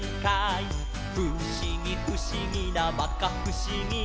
「ふしぎふしぎなまかふしぎ」